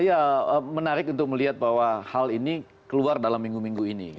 iya menarik untuk melihat bahwa hal ini keluar dalam minggu minggu ini